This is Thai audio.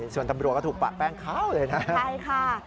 สวนตำรั่วก็ถูกปลัดแป้งขาวเลยนะ